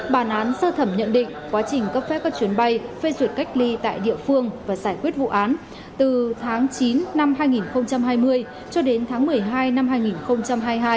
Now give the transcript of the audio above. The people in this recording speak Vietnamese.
bản án sơ thẩm nhận định quá trình cấp phép các chuyến bay phê duyệt cách ly tại địa phương và giải quyết vụ án từ tháng chín năm hai nghìn hai mươi cho đến tháng một mươi hai năm hai nghìn hai mươi hai